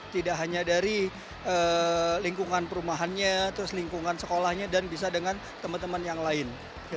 tidak hanya dari lingkungan perumahannya terus lingkungan sekolahnya dan bisa dengan teman teman yang lain